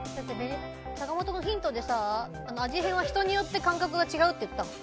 坂本君ヒントで味変は人によって感覚が違うって言ったんです。